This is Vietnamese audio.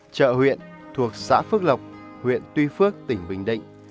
chợ huyện thuộc xã phước lộc huyện tuy phước tỉnh bình định